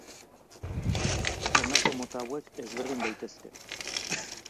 Honako mota hauek ezberdin daitezke.